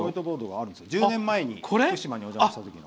１０年前に福島にお邪魔したときの。